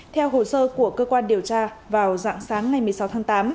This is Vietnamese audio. theo hồ sơ của cơ quan điều tra vào dạng sáng ngày một mươi sáu tháng tám